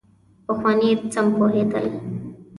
پخواني سم پوهېدلي.